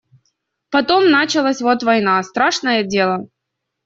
Потом началась вот война — страшное дело.